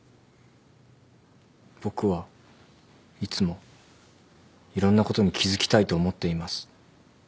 僕はいつもいろんなことに気付きたいと思っています。